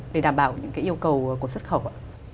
để đảm bảo những cái yêu cầu của xuất khẩu ạ